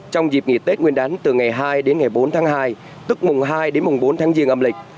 trong dịp nghỉ tết nguyên đán từ ngày hai đến ngày bốn tháng hai tức mùng hai đến mùng bốn tháng riêng âm lịch